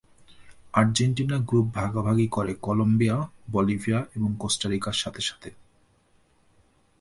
Argentina group ভাগাভাগি করে Colombia, Bolivia এবং কোস্টা রিকার সাথে সাথে।